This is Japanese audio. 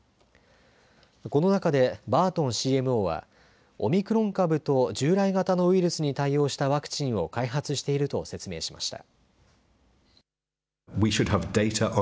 この中でバートンＣＭＯはオミクロン株と従来型のウイルスに対応したワクチンを開発していると説明しました。